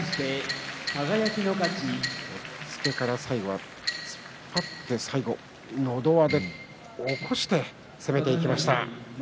押っつけから最後は突っ張ってのど輪で起こして攻めていきました。